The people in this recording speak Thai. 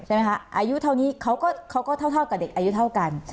ใช่ไหมคะอายุเท่านี้เขาก็เขาก็เท่าเท่ากับเด็กอายุเท่ากัน